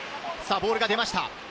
ボールが出ました！